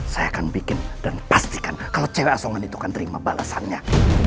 saya akan bikin dan pastikan kalau cewek asongan itu akan terima balasannya